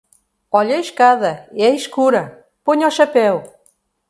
Olhe a escada, é escura; ponha o chapéu...